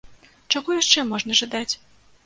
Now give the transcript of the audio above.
Чаго яшчэ можна жадаць?